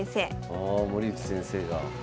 ああ森内先生が。